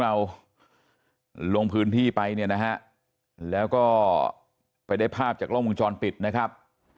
เราลงพื้นที่ไปเนี่ยนะฮะแล้วก็ไปได้ภาพจากกล้องวงจรปิดนะครับ